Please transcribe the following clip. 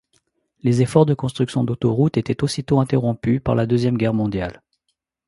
Les efforts de construction d'autoroute était aussitôt interrompues par la deuxième guerre mondiale.